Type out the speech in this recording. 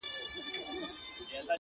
بیا مي ګوم ظالم ارمان په کاڼو ولي,